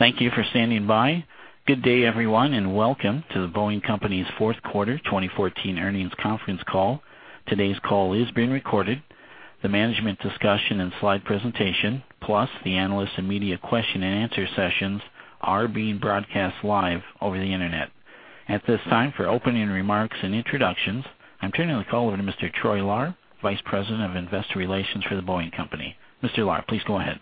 Thank you for standing by. Good day, everyone, and welcome to The Boeing Company's fourth quarter 2014 earnings conference call. Today's call is being recorded. The management discussion and slide presentation, plus the analyst and media question and answer sessions are being broadcast live over the internet. At this time, for opening remarks and introductions, I'm turning the call over to Mr. Troy Lahr, Vice President of Investor Relations for The Boeing Company. Mr. Lahr, please go ahead.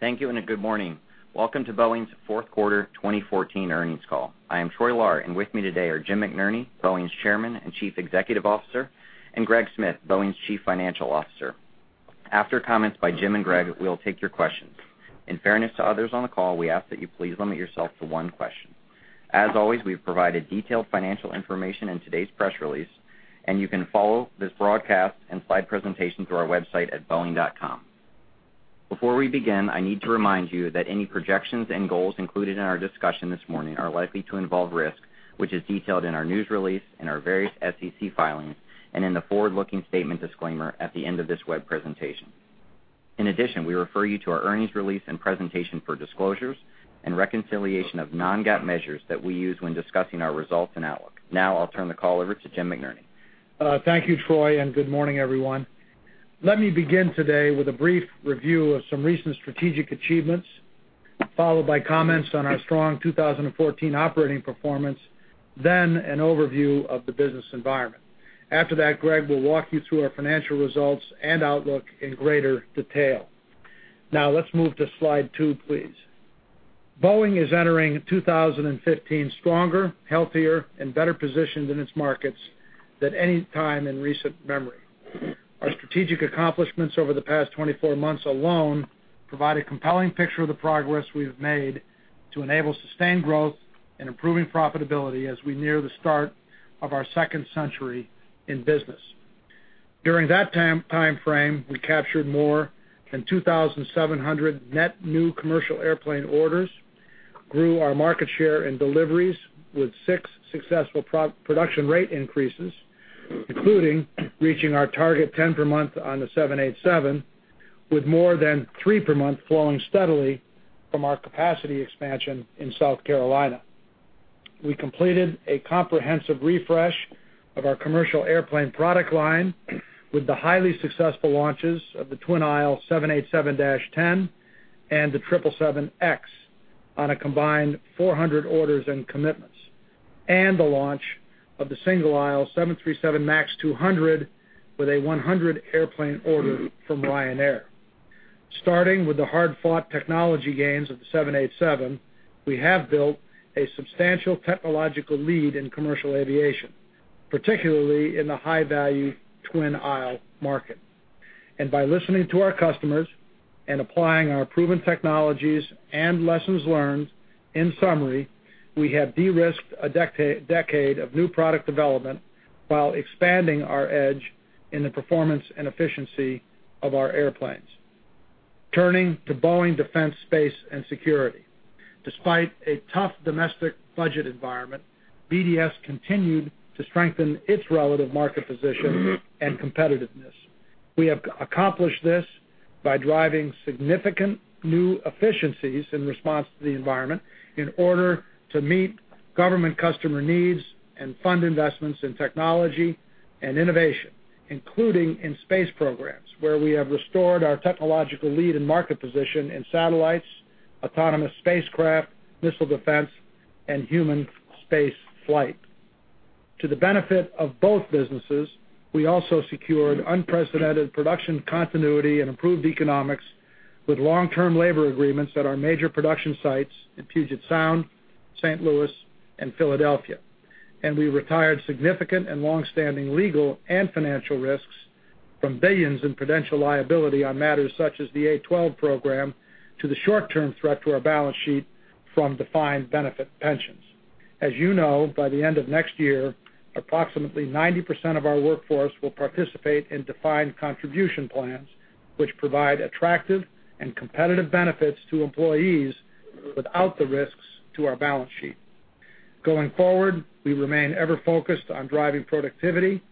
Thank you. Good morning. Welcome to Boeing's fourth quarter 2014 earnings call. I am Troy Lahr, and with me today are Jim McNerney, Boeing's Chairman and Chief Executive Officer, and Greg Smith, Boeing's Chief Financial Officer. After comments by Jim and Greg, we'll take your questions. In fairness to others on the call, we ask that you please limit yourself to one question. As always, we've provided detailed financial information in today's press release, and you can follow this broadcast and slide presentation through our website at boeing.com. Before we begin, I need to remind you that any projections and goals included in our discussion this morning are likely to involve risk, which is detailed in our news release, in our various SEC filings, and in the forward-looking statement disclaimer at the end of this web presentation. We refer you to our earnings release and presentation for disclosures and reconciliation of non-GAAP measures that we use when discussing our results and outlook. I'll turn the call over to Jim McNerney. Thank you, Troy. Good morning, everyone. Let me begin today with a brief review of some recent strategic achievements, followed by comments on our strong 2014 operating performance, then an overview of the business environment. After that, Greg will walk you through our financial results and outlook in greater detail. Let's move to slide 2, please. Boeing is entering 2015 stronger, healthier, and better positioned in its markets than any time in recent memory. Our strategic accomplishments over the past 24 months alone provide a compelling picture of the progress we've made to enable sustained growth and improving profitability as we near the start of our second century in business. During that time frame, we captured more than 2,700 net new commercial airplane orders, grew our market share and deliveries with six successful production rate increases, including reaching our target 10 per month on the 787, with more than three per month flowing steadily from our capacity expansion in South Carolina. We completed a comprehensive refresh of our commercial airplane product line with the highly successful launches of the twin-aisle 787-10 and the 777X on a combined 400 orders and commitments, and the launch of the single-aisle 737 MAX 200 with a 100 airplane order from Ryanair. Starting with the hard-fought technology gains of the 787, we have built a substantial technological lead in commercial aviation, particularly in the high-value twin-aisle market. By listening to our customers and applying our proven technologies and lessons learned, in summary, we have de-risked a decade of new product development while expanding our edge in the performance and efficiency of our airplanes. Turning to Boeing Defense, Space & Security. Despite a tough domestic budget environment, BDS continued to strengthen its relative market position and competitiveness. We have accomplished this by driving significant new efficiencies in response to the environment in order to meet government customer needs and fund investments in technology and innovation, including in space programs, where we have restored our technological lead and market position in satellites, autonomous spacecraft, missile defense, and human space flight. To the benefit of both businesses, we also secured unprecedented production continuity and improved economics with long-term labor agreements at our major production sites in Puget Sound, St. Louis, and Philadelphia. We retired significant and long-standing legal and financial risks from $billions in potential liability on matters such as the A-12 program to the short-term threat to our balance sheet from defined benefit pensions. As you know, by the end of next year, approximately 90% of our workforce will participate in defined contribution plans, which provide attractive and competitive benefits to employees without the risks to our balance sheet. Going forward, we remain ever focused on driving productivity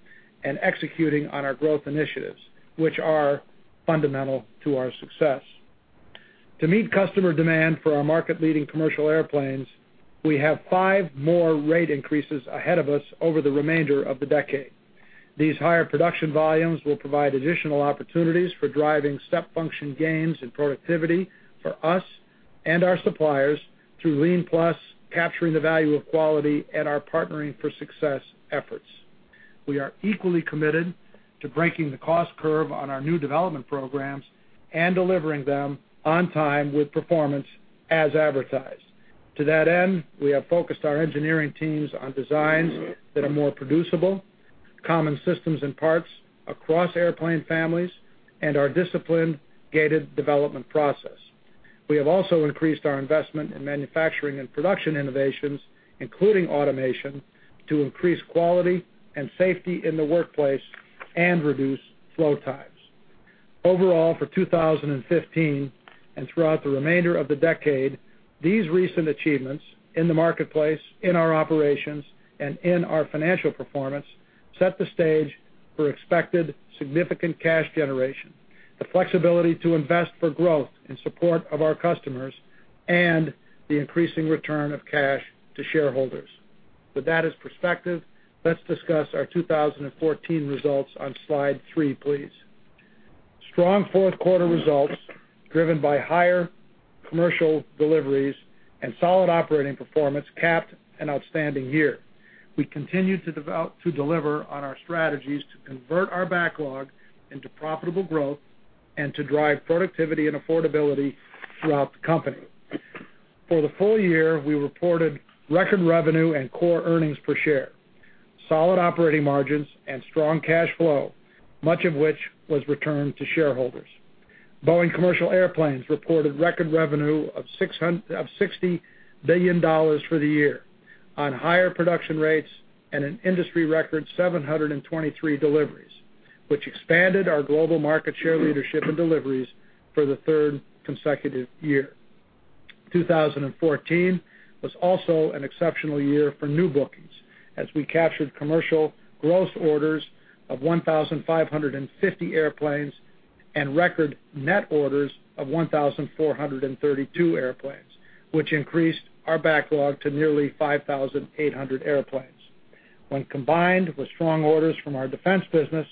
and executing on our growth initiatives, which are fundamental to our success. To meet customer demand for our market-leading commercial airplanes, we have five more rate increases ahead of us over the remainder of the decade. These higher production volumes will provide additional opportunities for driving step function gains and productivity for us and our suppliers through Lean+, capturing the value of quality and our Partnering for Success efforts. We are equally committed to breaking the cost curve on our new development programs and delivering them on time with performance as advertised. To that end, we have focused our engineering teams on designs that are more producible, common systems and parts across airplane families, and our disciplined gated development process. We have also increased our investment in manufacturing and production innovations, including automation, to increase quality and safety in the workplace and reduce flow times. Overall, for 2015 and throughout the remainder of the decade, these recent achievements in the marketplace, in our operations, and in our financial performance set the stage for expected significant cash generation. The flexibility to invest for growth in support of our customers and the increasing return of cash to shareholders. With that as perspective, let's discuss our 2014 results on slide three, please. Strong fourth quarter results, driven by higher commercial deliveries and solid operating performance, capped an outstanding year. We continued to deliver on our strategies to convert our backlog into profitable growth and to drive productivity and affordability throughout the company. For the full year, we reported record revenue and core earnings per share, solid operating margins, and strong cash flow, much of which was returned to shareholders. Boeing Commercial Airplanes reported record revenue of $60 billion for the year on higher production rates and an industry-record 723 deliveries, which expanded our global market share leadership in deliveries for the third consecutive year. 2014 was also an exceptional year for new bookings, as we captured commercial growth orders of 1,550 airplanes and record net orders of 1,432 airplanes, which increased our backlog to nearly 5,800 airplanes. Combined with strong orders from our defense business,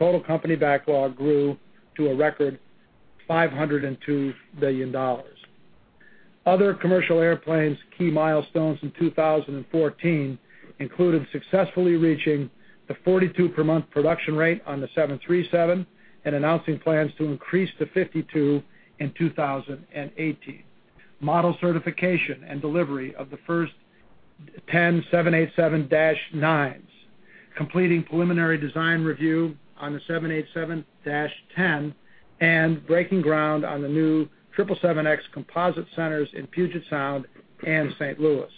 total company backlog grew to a record $502 billion. Other Commercial Airplanes' key milestones in 2014 included successfully reaching the 42-per-month production rate on the 737 and announcing plans to increase to 52 in 2018. Model certification and delivery of the first 10 787-9s, completing preliminary design review on the 787-10, and breaking ground on the new 777X composite centers in Puget Sound and St. Louis.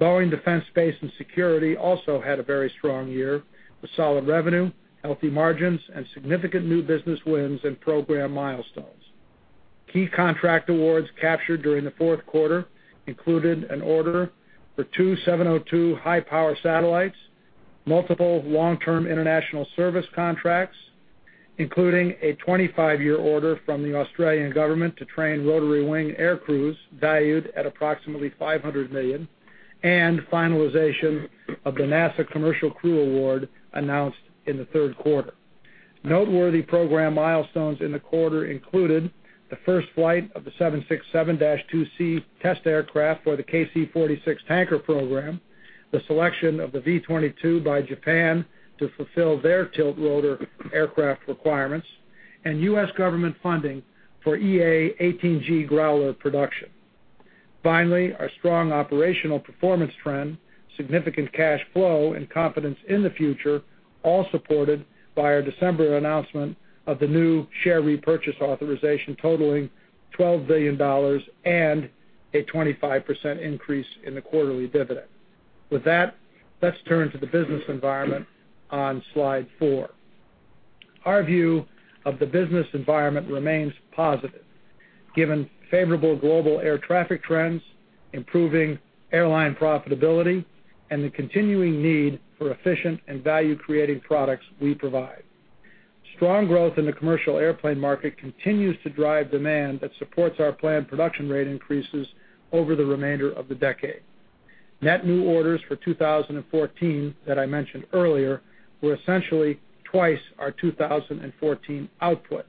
Boeing Defense, Space & Security also had a very strong year, with solid revenue, healthy margins, and significant new business wins and program milestones. Key contract awards captured during the fourth quarter included an order for two 702 high-power satellites, multiple long-term international service contracts, including a 25-year order from the Australian government to train rotary wing air crews valued at approximately $500 million, and finalization of the NASA Commercial Crew Award announced in the third quarter. Noteworthy program milestones in the quarter included the first flight of the 767-2C test aircraft for the KC-46 tanker program, the selection of the V-22 by Japan to fulfill their tiltrotor aircraft requirements, and U.S. government funding for EA-18G Growler production. Our strong operational performance trend, significant cash flow, and confidence in the future, all supported by our December announcement of the new share repurchase authorization totaling $12 billion and a 25% increase in the quarterly dividend. Let's turn to the business environment on slide four. Our view of the business environment remains positive, given favorable global air traffic trends, improving airline profitability, and the continuing need for efficient and value-creating products we provide. Strong growth in the commercial airplane market continues to drive demand that supports our planned production rate increases over the remainder of the decade. Net new orders for 2014 that I mentioned earlier were essentially twice our 2014 output,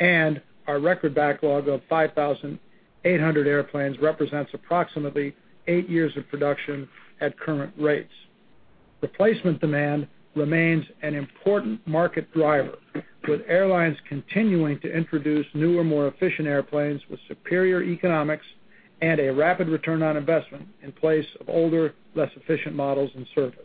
and our record backlog of 5,800 airplanes represents approximately eight years of production at current rates. Replacement demand remains an important market driver, with airlines continuing to introduce newer, more efficient airplanes with superior economics and a rapid return on investment in place of older, less efficient models and service.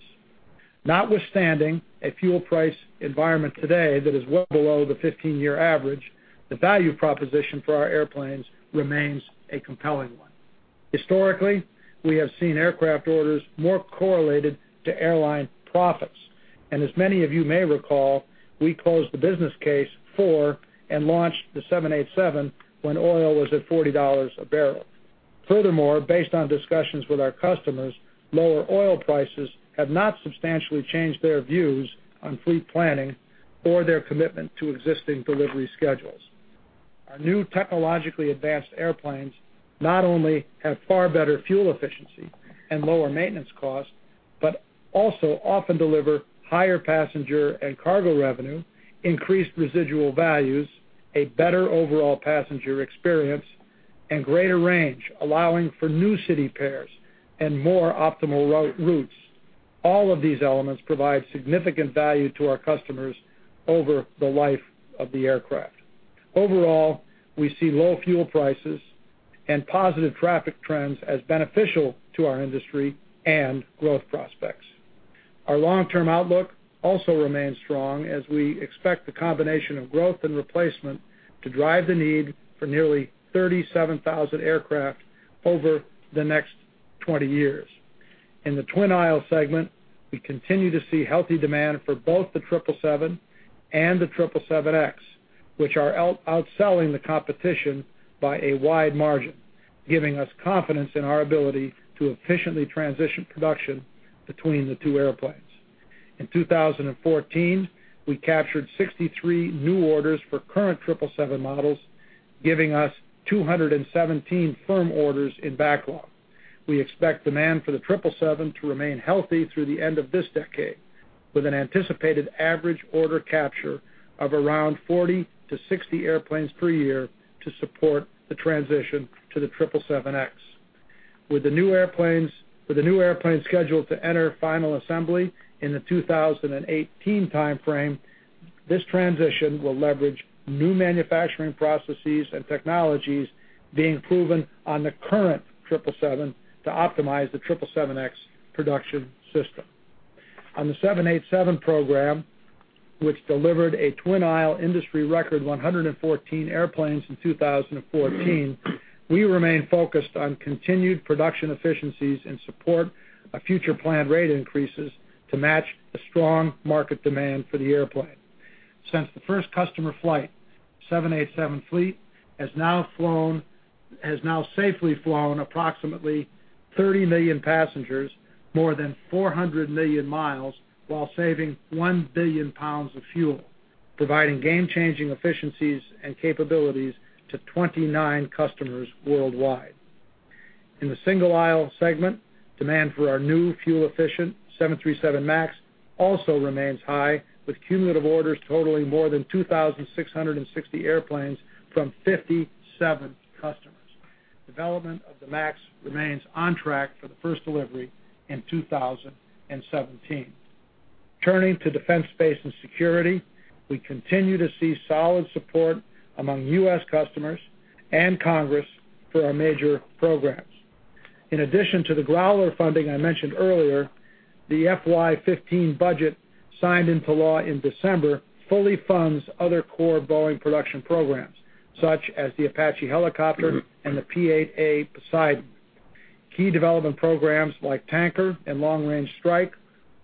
Notwithstanding a fuel price environment today that is well below the 15-year average, the value proposition for our airplanes remains a compelling one. Historically, we have seen aircraft orders more correlated to airline profits. As many of you may recall, we closed the business case for and launched the 787 when oil was at $40 a barrel. Furthermore, based on discussions with our customers, lower oil prices have not substantially changed their views on fleet planning or their commitment to existing delivery schedules. Our new technologically advanced airplanes not only have far better fuel efficiency and lower maintenance costs, but also often deliver higher passenger and cargo revenue, increased residual values, a better overall passenger experience, and greater range, allowing for new city pairs and more optimal routes. All of these elements provide significant value to our customers over the life of the aircraft. Overall, we see low fuel prices and positive traffic trends as beneficial to our industry and growth prospects. Our long-term outlook also remains strong as we expect the combination of growth and replacement to drive the need for nearly 37,000 aircraft over the next 20 years. In the twin-aisle segment, we continue to see healthy demand for both the 777 and the 777X, which are outselling the competition by a wide margin, giving us confidence in our ability to efficiently transition production between the two airplanes. In 2014, we captured 63 new orders for current 777 models, giving us 217 firm orders in backlog. We expect demand for the 777 to remain healthy through the end of this decade, with an anticipated average order capture of around 40 to 60 airplanes per year to support the transition to the 777X. With the new airplanes scheduled to enter final assembly in the 2018 timeframe, this transition will leverage new manufacturing processes and technologies being proven on the current 777 to optimize the 777X production system. On the 787 program, which delivered a twin-aisle industry record 114 airplanes in 2014, we remain focused on continued production efficiencies and support of future planned rate increases to match the strong market demand for the airplane. Since the first customer flight, 787 fleet has now safely flown approximately 30 million passengers more than 400 million miles while saving 1 billion pounds of fuel, providing game-changing efficiencies and capabilities to 29 customers worldwide. In the single-aisle segment, demand for our new fuel-efficient 737 MAX also remains high, with cumulative orders totaling more than 2,660 airplanes from 57 customers. Development of the MAX remains on track for the first delivery in 2017. Turning to Defense, Space & Security, we continue to see solid support among U.S. customers and Congress for our major programs. In addition to the Growler funding I mentioned earlier, the FY 2015 budget, signed into law in December, fully funds other core Boeing production programs, such as the Apache helicopter and the P-8A Poseidon. Key development programs like Tanker and Long Range Strike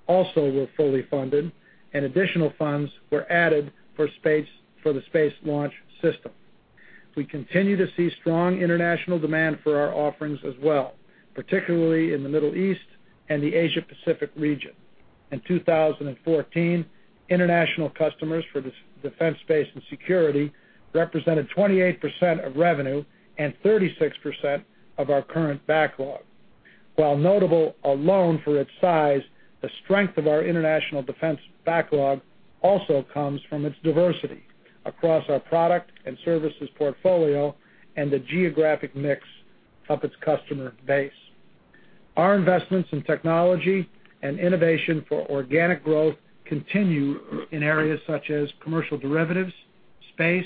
also were fully funded, and additional funds were added for the Space Launch System. We continue to see strong international demand for our offerings as well, particularly in the Middle East and the Asia-Pacific region. In 2014, international customers for Defense, Space & Security represented 28% of revenue and 36% of our current backlog. While notable alone for its size, the strength of our international defense backlog also comes from its diversity across our product and services portfolio and the geographic mix of its customer base. Our investments in technology and innovation for organic growth continue in areas such as commercial derivatives, space,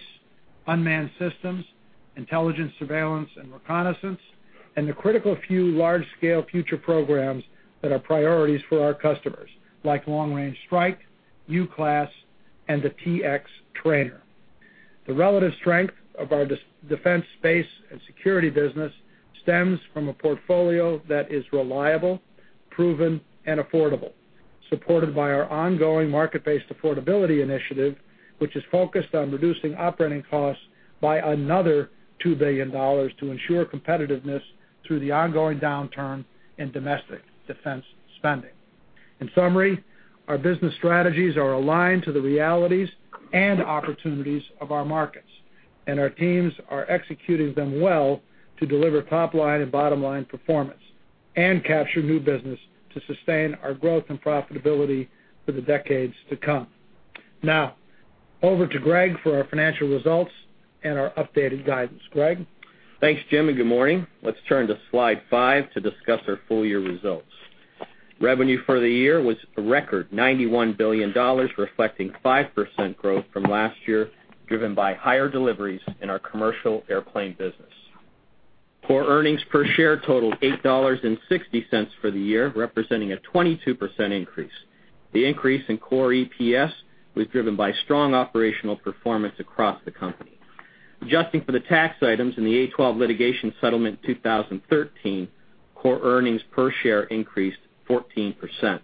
unmanned systems, intelligence surveillance and reconnaissance, and the critical few large-scale future programs that are priorities for our customers, like Long Range Strike, UCLASS, and the T-X. The relative strength of our Defense, Space & Security business stems from a portfolio that is reliable, proven, and affordable. Supported by our ongoing market-based affordability initiative, which is focused on reducing operating costs by another $2 billion to ensure competitiveness through the ongoing downturn in domestic defense spending. In summary, our business strategies are aligned to the realities and opportunities of our markets, and our teams are executing them well to deliver top-line and bottom-line performance and capture new business to sustain our growth and profitability for the decades to come. Now, over to Greg for our financial results and our updated guidance. Greg? Thanks, Jim, and good morning. Let's turn to slide five to discuss our full-year results. Revenue for the year was a record $91 billion, reflecting 5% growth from last year, driven by higher deliveries in our commercial airplane business. Core earnings per share totaled $8.60 for the year, representing a 22% increase. The increase in core EPS was driven by strong operational performance across the company. Adjusting for the tax items in the A-12 litigation settlement 2013, core EPS increased 14%.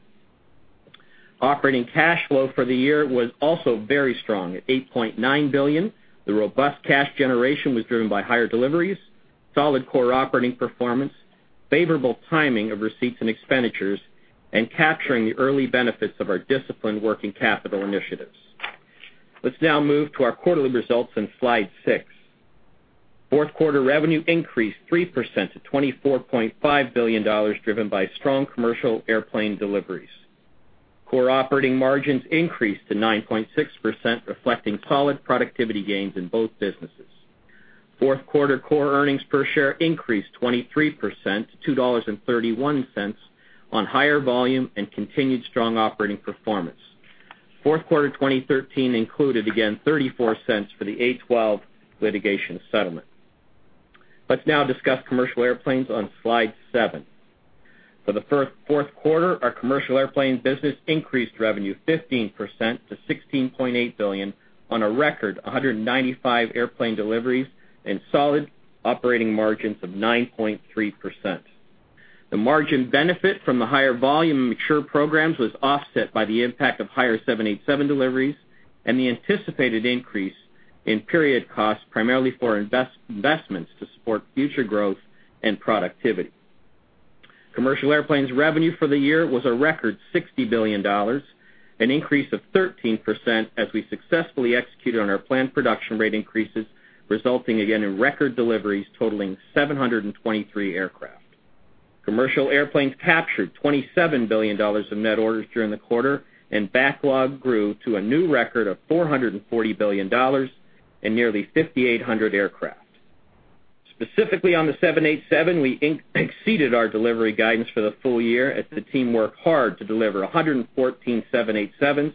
Operating cash flow for the year was also very strong at $8.9 billion. The robust cash generation was driven by higher deliveries, solid core operating performance, favorable timing of receipts and expenditures, and capturing the early benefits of our disciplined working capital initiatives. Let's now move to our quarterly results on slide six. Fourth quarter revenue increased 3% to $24.5 billion, driven by strong commercial airplane deliveries. Core operating margins increased to 9.6%, reflecting solid productivity gains in both businesses. Fourth quarter core earnings per share increased 23% to $2.31 on higher volume and continued strong operating performance. Fourth quarter 2013 included, again, $0.34 for the A-12 litigation settlement. Let's now discuss commercial airplanes on slide seven. For the fourth quarter, our commercial airplane business increased revenue 15% to $16.8 billion on a record 195 airplane deliveries and solid operating margins of 9.3%. The margin benefit from the higher volume in mature programs was offset by the impact of higher 787 deliveries and the anticipated increase in period costs, primarily for investments to support future growth and productivity. Commercial Airplanes revenue for the year was a record $60 billion, an increase of 13% as we successfully executed on our planned production rate increases, resulting again in record deliveries totaling 723 aircraft. Commercial Airplanes captured $27 billion of net orders during the quarter, and backlog grew to a new record of $440 billion and nearly 5,800 aircraft. Specifically, on the 787, we exceeded our delivery guidance for the full year as the team worked hard to deliver 114 787s,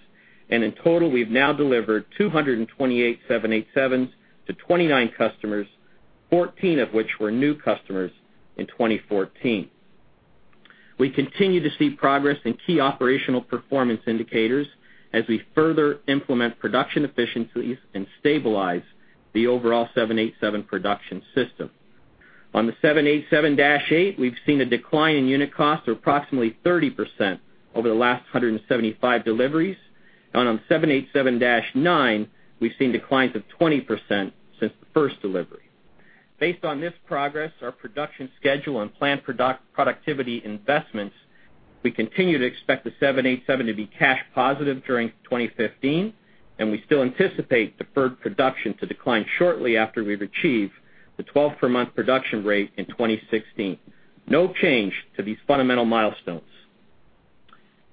and in total, we've now delivered 228 787s to 29 customers, 14 of which were new customers in 2014. We continue to see progress in key operational performance indicators as we further implement production efficiencies and stabilize the overall 787 production system. On the 787-8, we've seen a decline in unit costs of approximately 30% over the last 175 deliveries. On the 787-9, we've seen declines of 20% since the first delivery. Based on this progress, our production schedule, and planned productivity investments, we continue to expect the 787 to be cash positive during 2015. We still anticipate deferred production to decline shortly after we have achieved the 12-per-month production rate in 2016. No change to these fundamental milestones.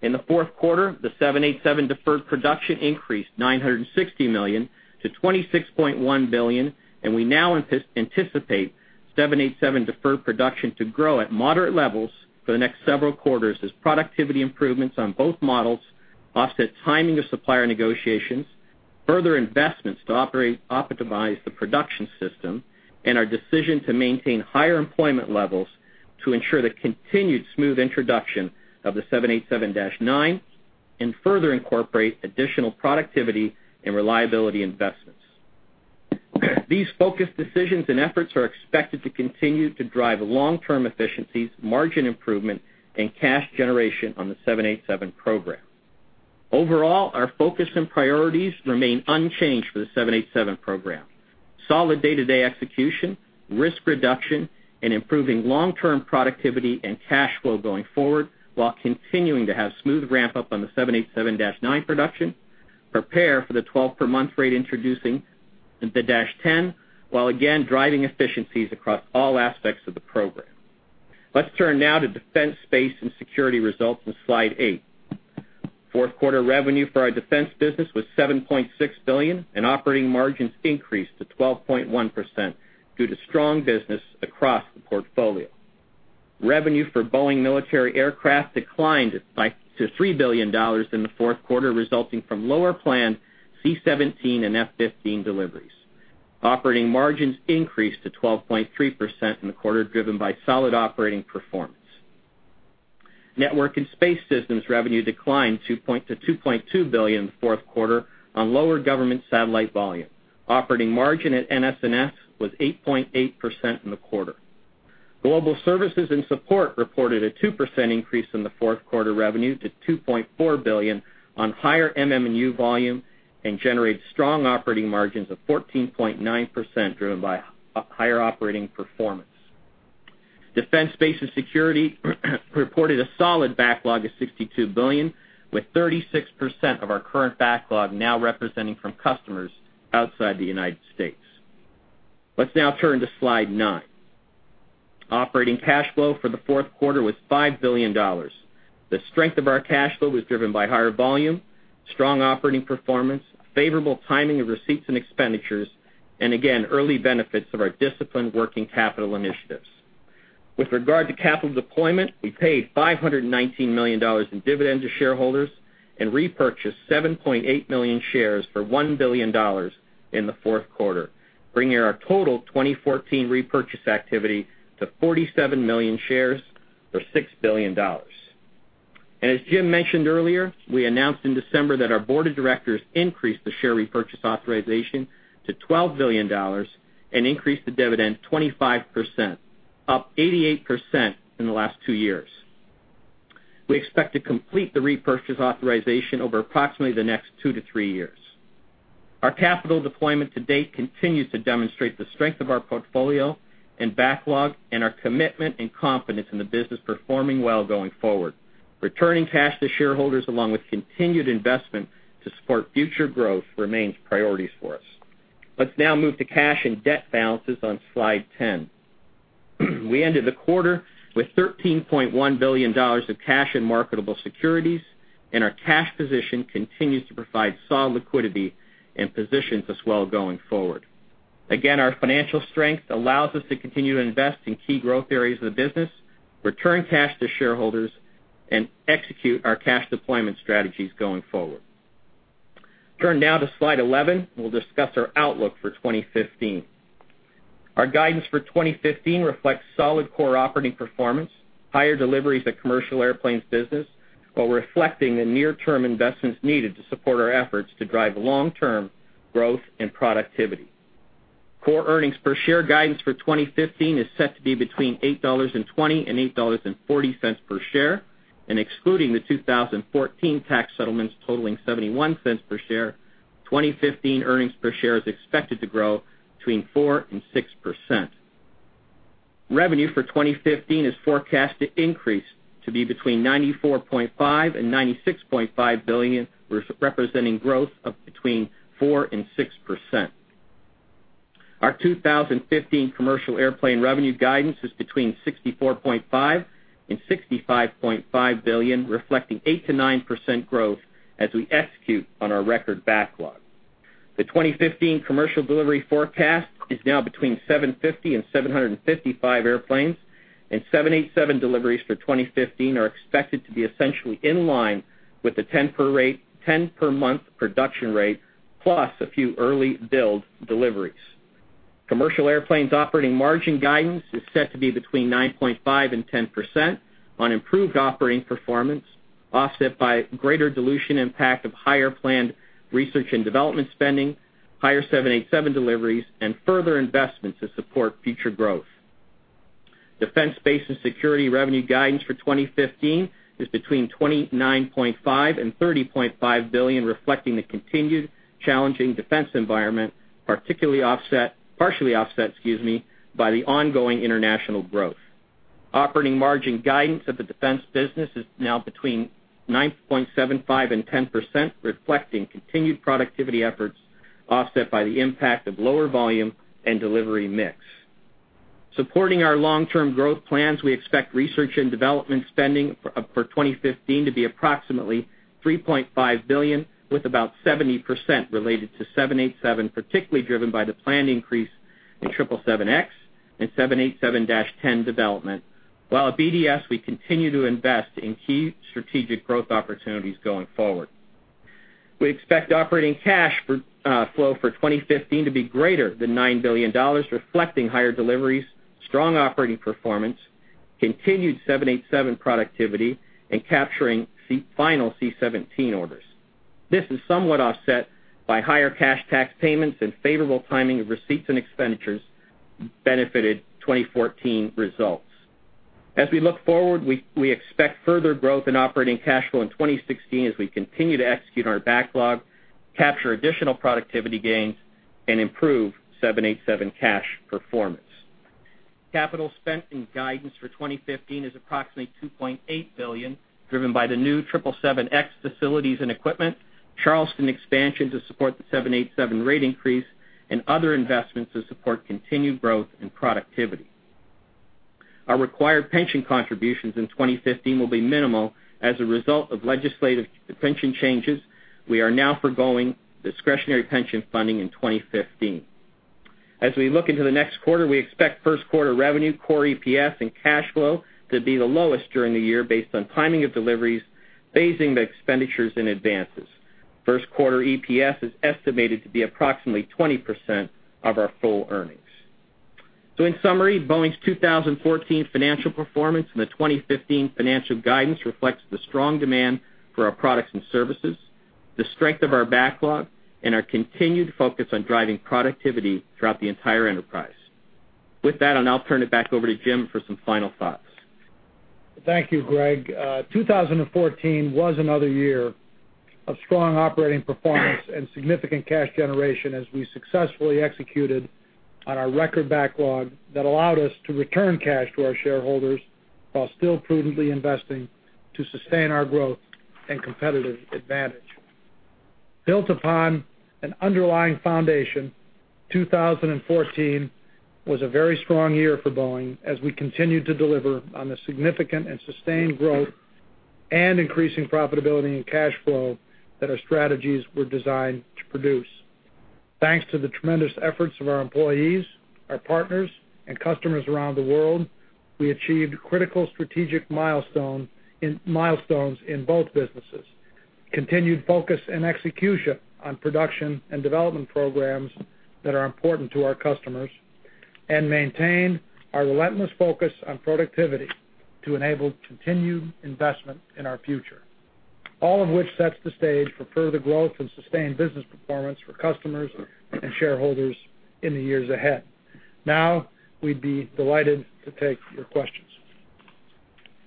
In the fourth quarter, the 787 deferred production increased $960 million to $26.1 billion. We now anticipate 787 deferred production to grow at moderate levels for the next several quarters as productivity improvements on both models offset timing of supplier negotiations, further investments to optimize the production system, and our decision to maintain higher employment levels to ensure the continued smooth introduction of the 787-9 and further incorporate additional productivity and reliability investments. These focused decisions and efforts are expected to continue to drive long-term efficiencies, margin improvement, and cash generation on the 787 program. Overall, our focus and priorities remain unchanged for the 787 program. Solid day-to-day execution, risk reduction, and improving long-term productivity and cash flow going forward, while continuing to have smooth ramp-up on the 787-9 production, prepare for the 12-per-month rate introducing the -10, while again, driving efficiencies across all aspects of the program. Let's turn now to Defense, Space & Security results on slide eight. Fourth quarter revenue for our Defense business was $7.6 billion, and operating margins increased to 12.1% due to strong business across the portfolio. Revenue for Boeing Military Aircraft declined to $3 billion in the fourth quarter, resulting from lower planned C-17 and F-15 deliveries. Operating margins increased to 12.3% in the quarter, driven by solid operating performance. Network & Space Systems revenue declined to $2.2 billion in the fourth quarter on lower government satellite volume. Operating margin at NSNS was 8.8% in the quarter. Global Services & Support reported a 2% increase in the fourth quarter revenue to $2.4 billion on higher MM&U volume and generated strong operating margins of 14.9%, driven by higher operating performance. Defense, Space & Security reported a solid backlog of $62 billion, with 36% of our current backlog now representing from customers outside the U.S. Let's now turn to slide nine. Operating cash flow for the fourth quarter was $5 billion. The strength of our cash flow was driven by higher volume, strong operating performance, favorable timing of receipts and expenditures, and again, early benefits of our disciplined working capital initiatives. With regard to capital deployment, we paid $519 million in dividends to shareholders and repurchased 7.8 million shares for $1 billion in the fourth quarter, bringing our total 2014 repurchase activity to 47 million shares for $6 billion. As Jim mentioned earlier, we announced in December that our board of directors increased the share repurchase authorization to $12 billion and increased the dividend 25%, up 88% in the last two years. We expect to complete the repurchase authorization over approximately the next two to three years. Our capital deployment to date continues to demonstrate the strength of our portfolio and backlog and our commitment and confidence in the business performing well going forward. Returning cash to shareholders, along with continued investment to support future growth, remains priorities for us. Let's now move to cash and debt balances on slide 10. We ended the quarter with $13.1 billion of cash and marketable securities, and our cash position continues to provide solid liquidity and positions us well going forward. Again, our financial strength allows us to continue to invest in key growth areas of the business, return cash to shareholders, and execute our cash deployment strategies going forward. Turn now to slide 11, we'll discuss our outlook for 2015. Our guidance for 2015 reflects solid core operating performance, higher deliveries at Commercial Airplanes business, while reflecting the near-term investments needed to support our efforts to drive long-term growth and productivity. Core Earnings Per Share guidance for 2015 is set to be between $8.20 and $8.40 per share. Excluding the 2014 tax settlements totaling $0.71 per share, 2015 earnings per share is expected to grow between 4% and 6%. Revenue for 2015 is forecast to increase to be between $94.5 billion and $96.5 billion, representing growth of between 4% and 6%. Our 2015 commercial airplane revenue guidance is between $64.5 billion and $65.5 billion, reflecting 8%-9% growth as we execute on our record backlog. The 2015 commercial delivery forecast is now between 750 and 755 airplanes, 787 deliveries for 2015 are expected to be essentially in line with the 10-per-month production rate, plus a few early build deliveries. Commercial Airplanes operating margin guidance is set to be between 9.5% and 10% on improved operating performance, offset by greater dilution impact of higher planned research and development spending, higher 787 deliveries, and further investments to support future growth. Defense, Space & Security revenue guidance for 2015 is between $29.5 billion and $30.5 billion, reflecting the continued challenging defense environment, partially offset by the ongoing international growth. Operating margin guidance of the defense business is now between 9.75% and 10%, reflecting continued productivity efforts offset by the impact of lower volume and delivery mix. Supporting our long-term growth plans, we expect research and development spending for 2015 to be approximately $3.5 billion, with about 70% related to 787, particularly driven by the planned increase in 777X and 787-10 development. While at BDS, we continue to invest in key strategic growth opportunities going forward. We expect operating cash flow for 2015 to be greater than $9 billion, reflecting higher deliveries, strong operating performance, continued 787 productivity, and capturing final C-17 orders. This is somewhat offset by higher cash tax payments and favorable timing of receipts and expenditures benefited 2014 results. As we look forward, we expect further growth in operating cash flow in 2016 as we continue to execute on our backlog, capture additional productivity gains, and improve 787 cash performance. Capital spent in guidance for 2015 is approximately $2.8 billion, driven by the new 777X facilities and equipment, Charleston expansion to support the 787 rate increase, and other investments to support continued growth and productivity. Our required pension contributions in 2015 will be minimal. As a result of legislative pension changes, we are now foregoing discretionary pension funding in 2015. As we look into the next quarter, we expect first quarter revenue, core EPS, and cash flow to be the lowest during the year based on timing of deliveries, phasing the expenditures and advances. First quarter EPS is estimated to be approximately 20% of our full earnings. In summary, Boeing's 2014 financial performance and the 2015 financial guidance reflects the strong demand for our products and services, the strength of our backlog, and our continued focus on driving productivity throughout the entire enterprise. With that, I'll now turn it back over to Jim for some final thoughts. Thank you, Greg. 2014 was another year of strong operating performance and significant cash generation as we successfully executed on our record backlog that allowed us to return cash to our shareholders while still prudently investing to sustain our growth and competitive advantage. Built upon an underlying foundation, 2014 was a very strong year for Boeing as we continued to deliver on the significant and sustained growth and increasing profitability and cash flow that our strategies were designed to produce. Thanks to the tremendous efforts of our employees, our partners, and customers around the world, we achieved critical strategic milestones in both businesses, continued focus and execution on production and development programs that are important to our customers, and maintained our relentless focus on productivity to enable continued investment in our future. All of which sets the stage for further growth and sustained business performance for customers and shareholders in the years ahead. We'd be delighted to take your questions.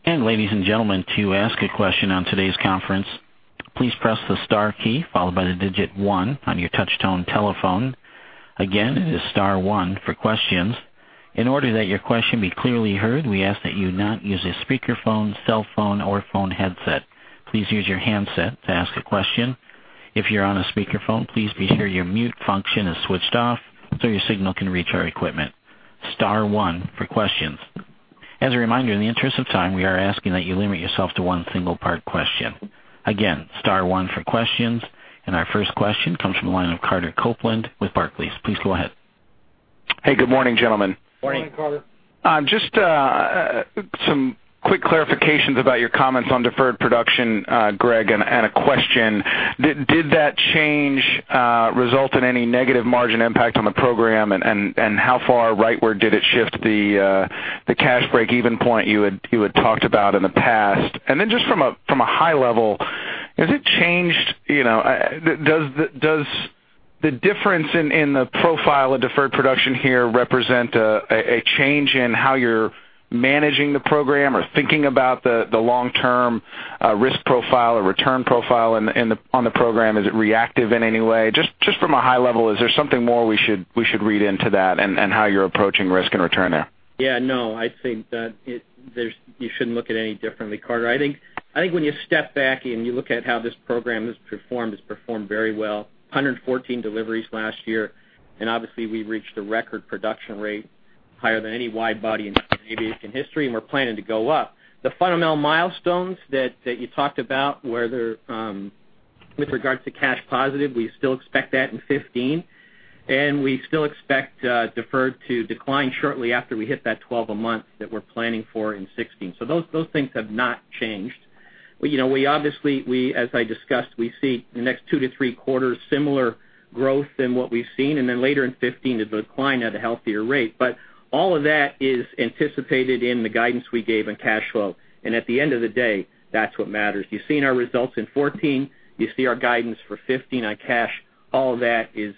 Ladies and gentlemen, to ask a question on today's conference, please press the star key followed by the digit 1 on your touch tone telephone. Again, it is star 1 for questions. In order that your question be clearly heard, we ask that you not use a speakerphone, cell phone, or phone headset. Please use your handset to ask a question. If you're on a speakerphone, please be sure your mute function is switched off so your signal can reach our equipment. Star 1 for questions. As a reminder, in the interest of time, we are asking that you limit yourself to one single part question. Again, star 1 for questions. Our first question comes from the line of Carter Copeland with Barclays. Please go ahead. Hey, good morning, gentlemen. Morning, Carter. Morning. Just some quick clarifications about your comments on deferred production, Greg, a question. Did that change result in any negative margin impact on the program? How far rightward did it shift the cash break-even point you had talked about in the past? Just from a high level, has it changed? Does the difference in the profile of deferred production here represent a change in how you're managing the program or thinking about the long-term risk profile or return profile on the program? Is it reactive in any way? Just from a high level, is there something more we should read into that and how you're approaching risk and return there? Yeah, no, I think that you shouldn't look at it any differently, Carter. I think when you step back and you look at how this program has performed, it's performed very well. 114 deliveries last year, and obviously, we reached a record production rate higher than any wide-body in aviation history, and we're planning to go up. The fundamental milestones that you talked about with regards to cash positive, we still expect that in 2015, and we still expect deferred to decline shortly after we hit that 12 a month that we're planning for in 2016. Those things have not changed. As I discussed, we see the next two to three quarters similar growth than what we've seen. Later in 2015, it decline at a healthier rate. All of that is anticipated in the guidance we gave on cash flow. at the end of the day, that's what matters. You've seen our results in 2014, you see our guidance for 2015 on cash. All that is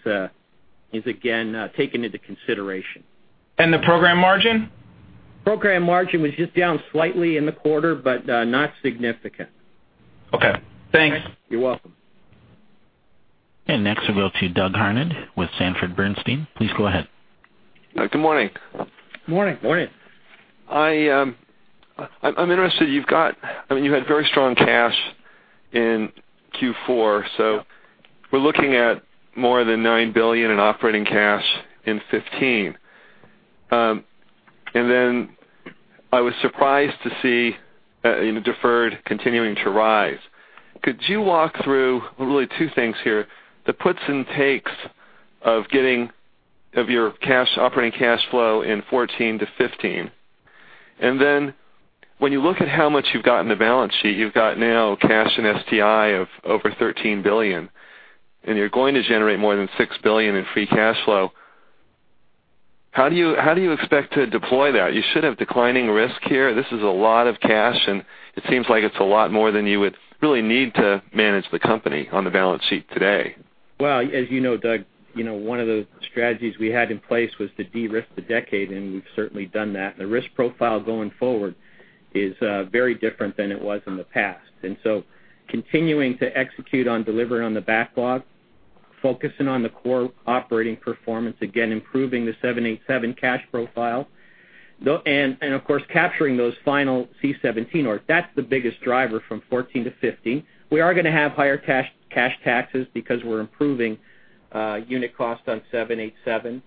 again, taken into consideration. The program margin? Program margin was just down slightly in the quarter, but not significant. Okay, thanks. You're welcome. Next we'll go to Doug Harned with Sanford C. Bernstein. Please go ahead. Good morning. Morning. Morning. I'm interested, you had very strong cash in Q4, we're looking at more than $9 billion in operating cash in 2015. I was surprised to see deferred continuing to rise. Could you walk through really two things here, the puts and takes of your operating cash flow in 2014 to 2015? When you look at how much you've got in the balance sheet, you've got now cash and STI of over $13 billion, and you're going to generate more than $6 billion in free cash flow. How do you expect to deploy that? You should have declining risk here. This is a lot of cash, and it seems like it's a lot more than you would really need to manage the company on the balance sheet today. Well, as you know, Doug, one of the strategies we had in place was to de-risk the decade. We've certainly done that. The risk profile going forward is very different than it was in the past. Continuing to execute on delivering on the backlog, focusing on the core operating performance, again, improving the 787 cash profile. Of course, capturing those final C-17 orders. That's the biggest driver from 2014 to 2015. We are going to have higher cash taxes because we're improving unit cost on 787.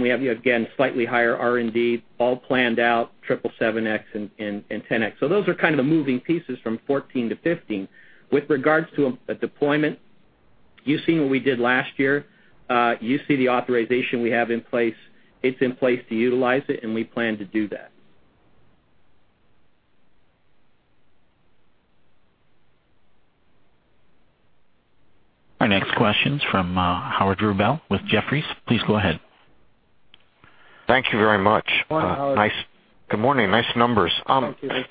We have, again, slightly higher R&D, all planned out, 777X and 10X. Those are kind of the moving pieces from 2014 to 2015. With regards to a deployment, you've seen what we did last year. You see the authorization we have in place. It's in place to utilize it, and we plan to do that. Our next question's from Howard Rubel with Jefferies. Please go ahead. Thank you very much. Morning, Howard. Good morning. Nice numbers. Thank you. Thanks,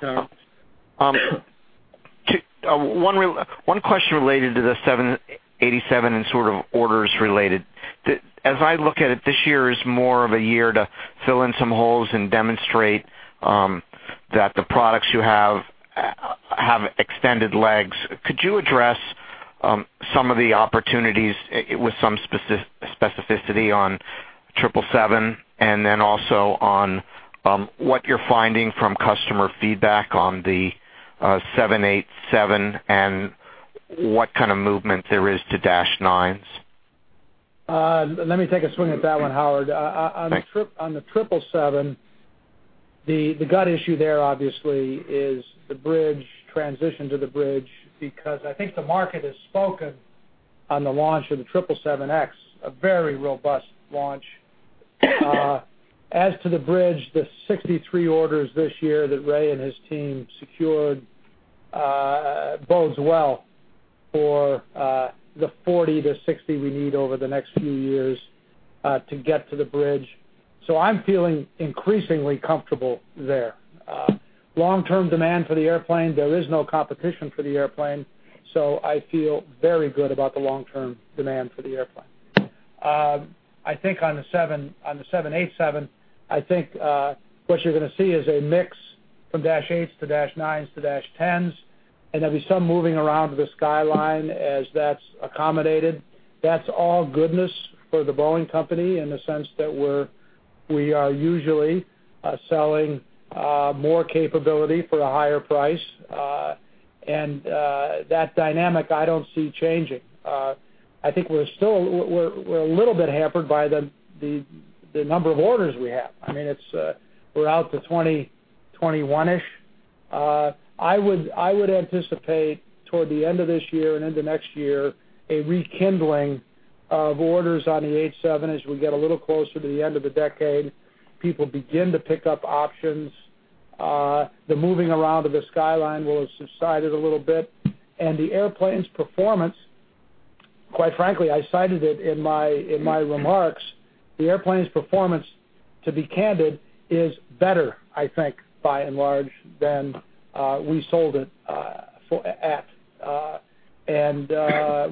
Howard. One question related to the 787 and sort of orders related. As I look at it, this year is more of a year to fill in some holes and demonstrate that the products you have extended legs. Could you address some of the opportunities with some specificity on 777, and then also on what you're finding from customer feedback on the 787 and what kind of movement there is to dash nines? Let me take a swing at that one, Howard. Thanks. On the 777, the gut issue there obviously is the bridge, transition to the bridge, because I think the market has spoken on the launch of the 777X, a very robust launch. As to the bridge, the 63 orders this year that Ray and his team secured bodes well for the 40 to 60 we need over the next few years, to get to the bridge. I'm feeling increasingly comfortable there. Long-term demand for the airplane, there is no competition for the airplane, so I feel very good about the long-term demand for the airplane. I think on the 787, I think, what you're going to see is a mix from dash eights to dash nines to dash tens, and there'll be some moving around of the skyline as that's accommodated. That's all goodness for The Boeing Company in the sense that we are usually selling more capability for a higher price, and that dynamic I don't see changing. I think we're a little bit hampered by the number of orders we have. We're out to 2021-ish. I would anticipate toward the end of this year and into next year, a rekindling of orders on the 87 as we get a little closer to the end of the decade. People begin to pick up options. The moving around of the skyline will have subsided a little bit, and the airplane's performance Quite frankly, I cited it in my remarks. The airplane's performance, to be candid, is better, I think, by and large, than we sold it at.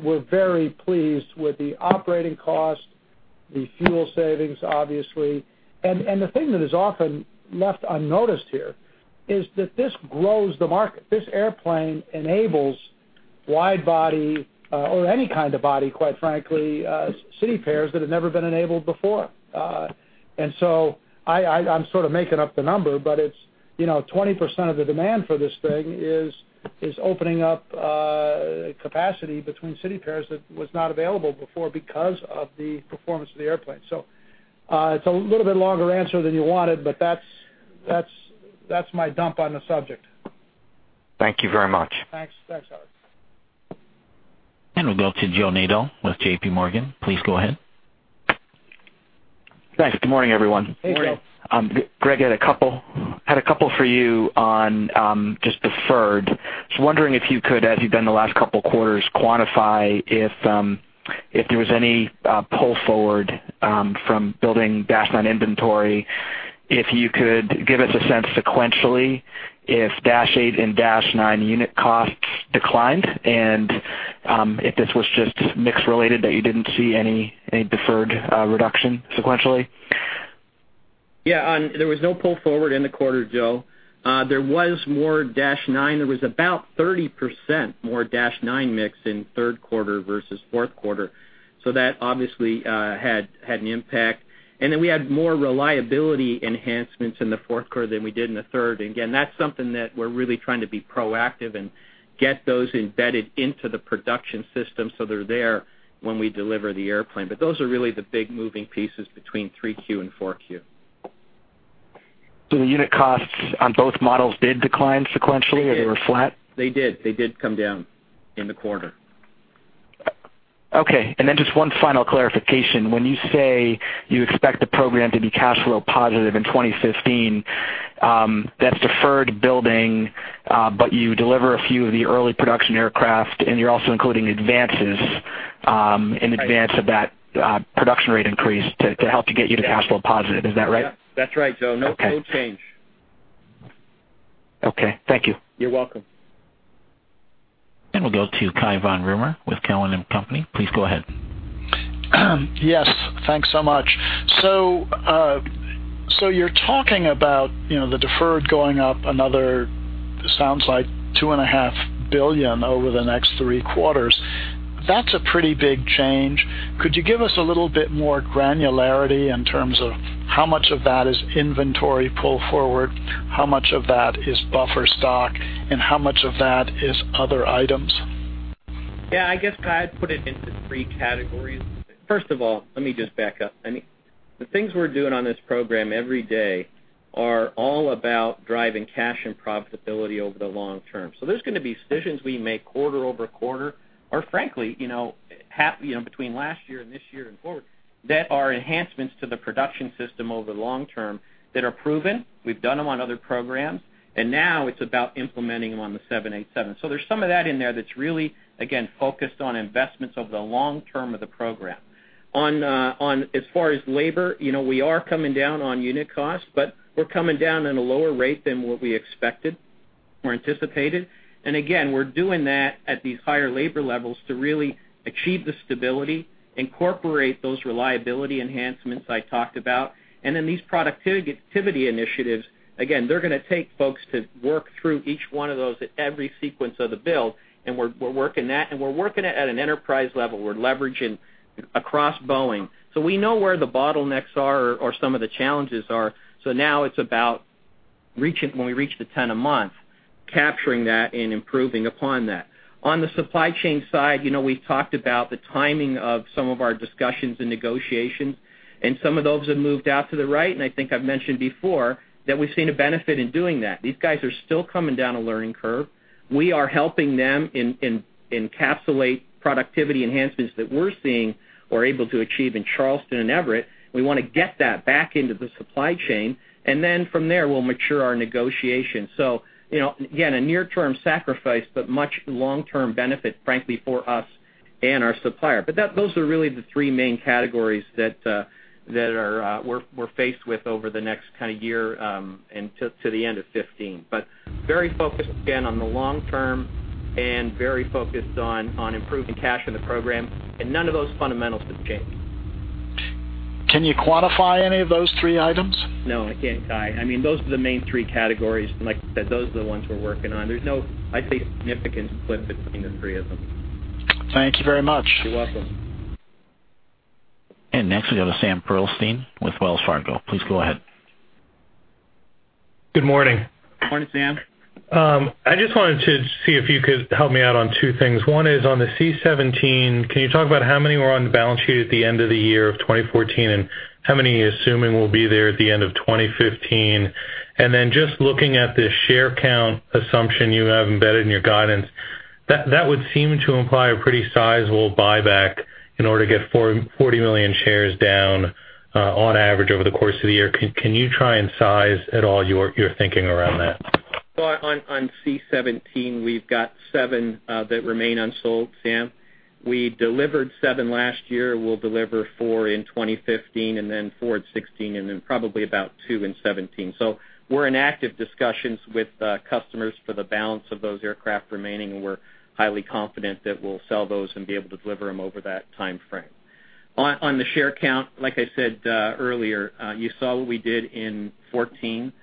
We're very pleased with the operating cost, the fuel savings, obviously. The thing that is often left unnoticed here is that this grows the market. This airplane enables wide body, or any kind of body, quite frankly, city pairs that have never been enabled before. I'm sort of making up the number, but 20% of the demand for this thing is opening up capacity between city pairs that was not available before because of the performance of the airplane. It's a little bit longer answer than you wanted, but that's my dump on the subject. Thank you very much. Thanks, Howard. We'll go to Joseph Nadol with JPMorgan. Please go ahead. Thanks. Good morning, everyone. Hey, Joe. Greg, I had a couple for you on just deferred. I was wondering if you could, as you've done the last couple of quarters, quantify if there was any pull forward from building Dash 9 inventory. If you could give us a sense sequentially, if Dash 8 and Dash 9 unit costs declined. If this was just mix related that you didn't see any deferred reduction sequentially. Yeah. There was no pull forward in the quarter, Joe. There was more Dash 9. There was about 30% more Dash 9 mix in third quarter versus fourth quarter. That obviously had an impact. We had more reliability enhancements in the fourth quarter than we did in the third. Again, that's something that we're really trying to be proactive and get those embedded into the production system so they're there when we deliver the airplane. Those are really the big moving pieces between 3Q and 4Q. The unit costs on both models did decline sequentially? They did. or they were flat? They did. They did come down in the quarter. Okay, just one final clarification. When you say you expect the program to be cash flow positive in 2015, that's deferred building, but you deliver a few of the early production aircraft, and you're also including advances in advance of that production rate increase to help to get you to cash flow positive. Is that right? Yeah. That's right, Joe. Okay. No course change. Okay. Thank you. You're welcome. We'll go to Cai von Rumohr with Cowen and Company. Please go ahead. Yes, thanks so much. You're talking about the deferred going up another, sounds like, two and a half billion over the next three quarters. That's a pretty big change. Could you give us a little bit more granularity in terms of how much of that is inventory pull forward, how much of that is buffer stock, and how much of that is other items? Yeah, I guess I'd put it into three categories. First of all, let me just back up. The things we're doing on this program every day are all about driving cash and profitability over the long term. There's going to be decisions we make quarter-over-quarter, or frankly, between last year and this year and forward, that are enhancements to the production system over the long term that are proven. We've done them on other programs, and now it's about implementing them on the 787. There's some of that in there that's really, again, focused on investments over the long term of the program. As far as labor, we are coming down on unit cost, but we're coming down at a lower rate than what we expected or anticipated. Again, we're doing that at these higher labor levels to really achieve the stability, incorporate those reliability enhancements I talked about. Then these productivity initiatives, again, they're going to take folks to work through each one of those at every sequence of the build, and we're working that, and we're working it at an enterprise level. We're leveraging across Boeing. We know where the bottlenecks are or some of the challenges are. Now it's about when we reach the 10 a month, capturing that and improving upon that. On the supply chain side, we've talked about the timing of some of our discussions and negotiations, and some of those have moved out to the right, and I think I've mentioned before that we've seen a benefit in doing that. These guys are still coming down a learning curve. We are helping them encapsulate productivity enhancements that we're seeing or able to achieve in Charleston and Everett. We want to get that back into the supply chain, and then from there, we'll mature our negotiation. Again, a near-term sacrifice, but much long-term benefit, frankly, for us and our supplier. Those are really the three main categories that we're faced with over the next kind of year, and to the end of 2015. Very focused, again, on the long term and very focused on improving cash in the program, and none of those fundamentals have changed. Can you quantify any of those three items? No, I can't, Cai. Those are the main three categories, and like I said, those are the ones we're working on. There's no, I'd say, significant split between the three of them. Thank you very much. You're welcome. Next, we go to Samuel Pearlstein with Wells Fargo. Please go ahead. Good morning. Morning, Sam. I just wanted to see if you could help me out on two things. One is on the C-17. Can you talk about how many were on the balance sheet at the end of the year of 2014, and how many you're assuming will be there at the end of 2015? Then just looking at the share count assumption you have embedded in your guidance, that would seem to imply a pretty sizable buyback in order to get 40 million shares down, on average, over the course of the year. Can you try and size at all your thinking around that? On C-17, we've got seven that remain unsold, Sam. We delivered seven last year. We'll deliver four in 2015, and then four in 2016, and then probably about two in 2017. We're in active discussions with customers for the balance of those aircraft remaining, and we're highly confident that we'll sell those and be able to deliver them over that timeframe. On the share count, like I said earlier, you saw what we did in 2014.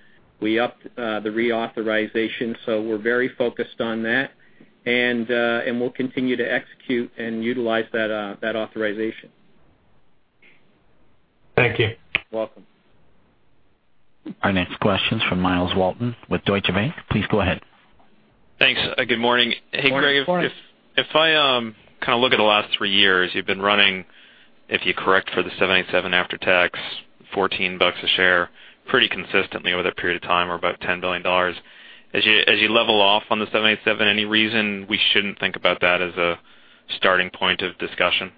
We upped the reauthorization, we're very focused on that, and we'll continue to execute and utilize that authorization. Thank you. You're welcome. Our next question's from Myles Walton with Deutsche Bank. Please go ahead. Thanks. Good morning. Good morning. Hey, Greg, if I look at the last three years, you've been running, if you correct for the 787 after-tax, $14 a share pretty consistently over that period of time, or about $10 billion. As you level off on the 787, any reason we shouldn't think about that as a starting point of discussion?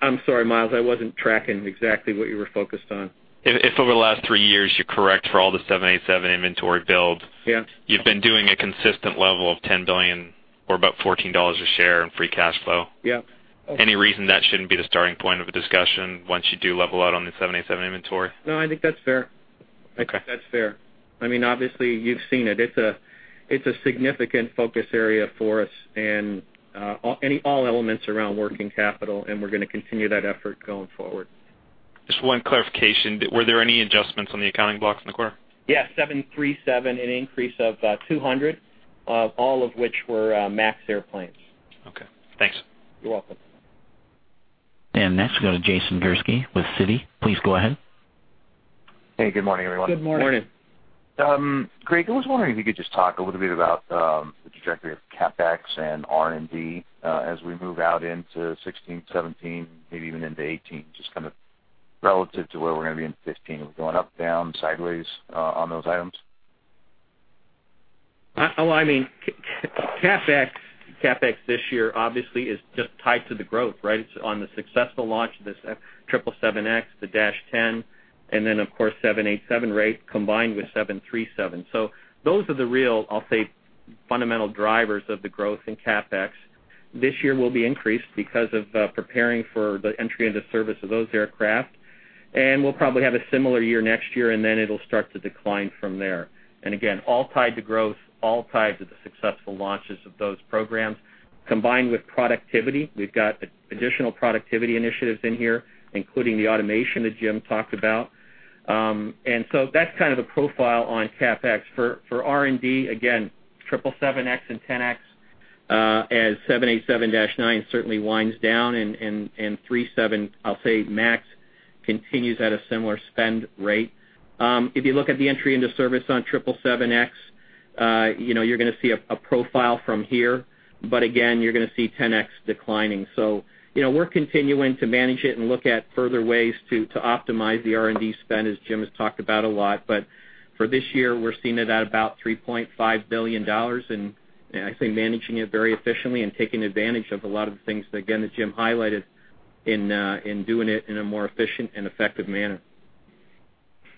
I'm sorry, Myles, I wasn't tracking exactly what you were focused on. If over the last three years, you correct for all the 787 inventory build- Yeah you've been doing a consistent level of $10 billion or about $14 a share in free cash flow. Yeah. Any reason that shouldn't be the starting point of a discussion once you do level out on the 787 inventory? No, I think that's fair. Okay. I think that's fair. Obviously, you've seen it. It's a significant focus area for us and all elements around working capital, and we're going to continue that effort going forward. Just one clarification. Were there any adjustments on the accounting blocks in the quarter? Yes. 737, an increase of 200, all of which were MAX airplanes. Okay, thanks. You're welcome. Next, we go to Jason Gursky with Citi. Please go ahead. Hey, good morning, everyone. Good morning. Morning. Greg, I was wondering if you could just talk a little bit about the trajectory of CapEx and R&D as we move out into 2016, 2017, maybe even into 2018, just kind of relative to where we're going to be in 2015. Are we going up, down, sideways on those items? CapEx this year obviously is just tied to the growth. It's on the successful launch of the 777X, the -10, and then of course, 787 rate combined with 737. Those are the real, I'll say, fundamental drivers of the growth in CapEx. This year will be increased because of preparing for the entry into service of those aircraft, and we'll probably have a similar year next year, then it'll start to decline from there. Again, all tied to growth, all tied to the successful launches of those programs. Combined with productivity, we've got additional productivity initiatives in here, including the automation that Jim talked about. That's kind of the profile on CapEx. For R&D, again, 777X and 10X, as 787-9 certainly winds down, and 737 MAX continues at a similar spend rate. If you look at the entry into service on 777X, you're going to see a profile from here, again, you're going to see 10X declining. We're continuing to manage it and look at further ways to optimize the R&D spend, as Jim has talked about a lot. For this year, we're seeing it at about $3.5 billion, and I say managing it very efficiently and taking advantage of a lot of the things, again, that Jim highlighted in doing it in a more efficient and effective manner.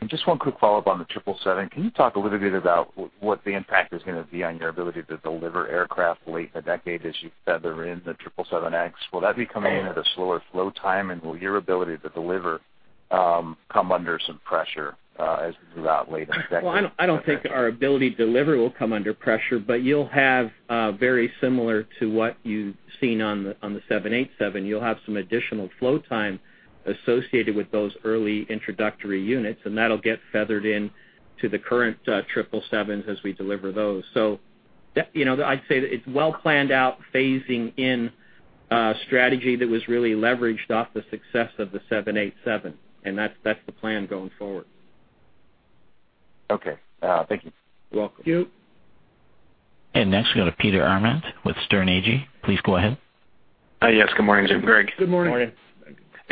Just one quick follow-up on the 777. Can you talk a little bit about what the impact is going to be on your ability to deliver aircraft late in the decade as you feather in the 777X? Will that be coming in at a slower flow time, and will your ability to deliver come under some pressure as we move out later in the decade? I don't think our ability to deliver will come under pressure, you'll have very similar to what you've seen on the 787. You'll have some additional flow time associated with those early introductory units, and that'll get feathered in to the current 777s as we deliver those. I'd say that it's well planned out phasing in a strategy that was really leveraged off the success of the 787, and that's the plan going forward. Okay. Thank you. You're welcome. Thank you. Next, we go to Peter Arment with Sterne Agee. Please go ahead. Yes. Good morning, Jim and Greg. Good morning. Morning.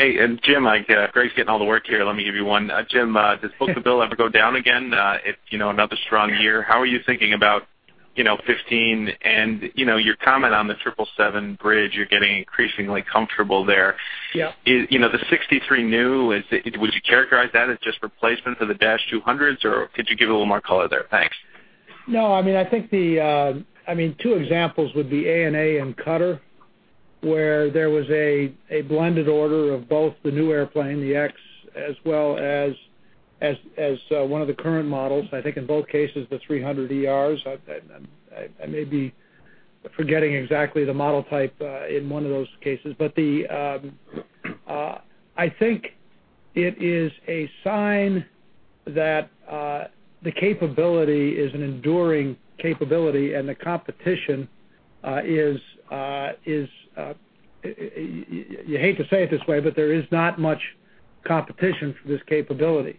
Hey, Jim, Greg's getting all the work here, let me give you one. Jim, does book-to-bill ever go down again? It's another strong year. How are you thinking about 2015 and your comment on the 777 bridge, you're getting increasingly comfortable there. Yeah. The 63 new, would you characterize that as just replacements of the -200s, or could you give a little more color there? Thanks. Two examples would be ANA and Qatar, where there was a blended order of both the new airplane, the X, as well as one of the current models, I think in both cases, the 300ERs. I may be forgetting exactly the model type in one of those cases. I think it is a sign that the capability is an enduring capability and the competition is, you hate to say it this way, but there is not much competition for this capability.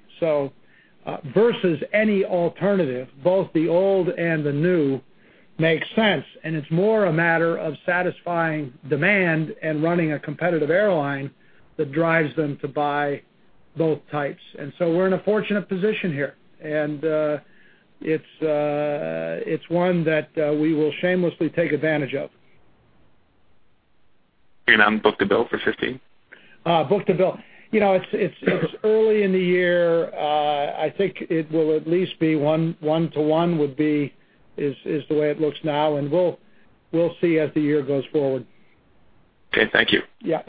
Versus any alternative, both the old and the new make sense, and it's more a matter of satisfying demand and running a competitive airline that drives them to buy both types. We're in a fortunate position here, and it's one that we will shamelessly take advantage of. On book-to-bill for 2015? Book-to-bill. It's early in the year. I think it will at least be 1 to 1 would be, is the way it looks now, we'll see as the year goes forward. Okay, thank you. Yeah.